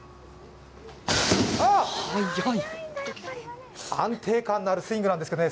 あっ安定感のあるスイングですけどね